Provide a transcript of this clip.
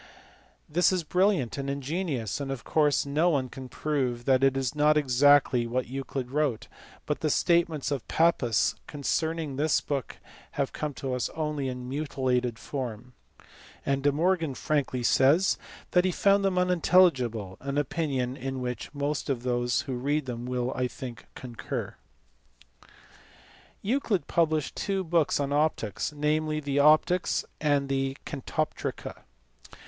This is brilliant and ingenious, and of course no one can prove that it is not exactly what Euclid wrote, but the statements of Pappus con cerning this book have come to us only in a mutilated form, and De Morgan frankly says that he found them unintelligible, an opinion in which most of those who read them will, I think, concur. Euclid published two books on optics, namely the Optics and the Catoptrica.